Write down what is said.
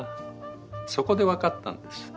そこで分かったんです。